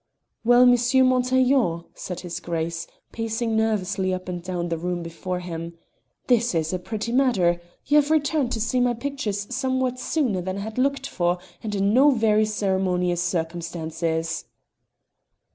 "Well, Monsieur Montaiglon," said his Grace, pacing nervously up and down the room before him, "this is a pretty matter. You have returned to see my pictures somewhat sooner than I had looked for, and in no very ceremonious circumstances."